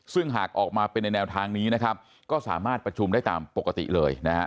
ซึ่งหากออกมาเป็นในแนวทางนี้นะครับก็สามารถประชุมได้ตามปกติเลยนะฮะ